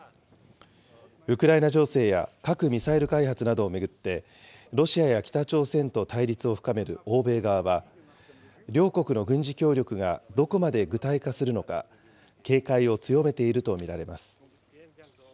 ウクライナ情勢や核・ミサイル開発などを巡って、ロシアや北朝鮮と対立を深める欧米側は、両国の軍事協力がどこまで具体化するのか、警戒を強めていると見られます。